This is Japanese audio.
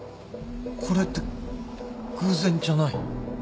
これって偶然じゃない。